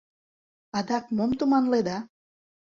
Адак мом туманледа?